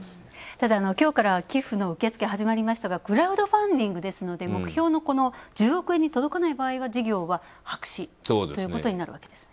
ただ、きょうから寄付の受け付けが始まりましたが、クラウドファンディングですので、目標の１０億円に届かない場合は事業が白紙ということになるわけです。